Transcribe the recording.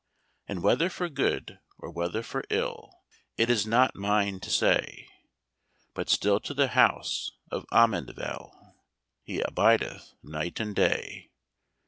"And whether for good, or whether for ill, It is not mine to say; But still to the house of Amundeville He abideth night and day.